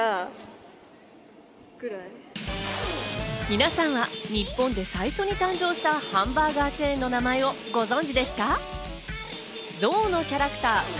みなさんは日本で最初に誕生したハンバーガーチェーンの名前をご存知ですか？